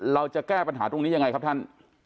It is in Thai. เราจะแก้ปัญหาตรงนี้ยังไงครับท่าน